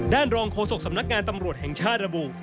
รองโฆษกสำนักงานตำรวจแห่งชาติระบุ